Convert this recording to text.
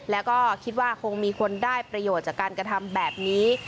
แล้วก็คิดว่าคงมีคนได้ประโยชน์จากการกระทำแบบนี้